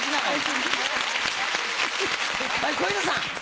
はい小遊三さん。